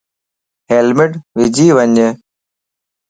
ھيلمٽ وجي وڃ